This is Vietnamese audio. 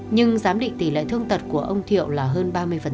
nhưng giám định tỷ lệ thương tật của ông thiểu là hơn một